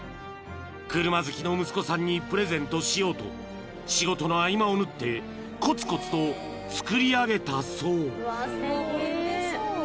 ［車好きの息子さんにプレゼントしようと仕事の合間を縫ってコツコツと作り上げたそう］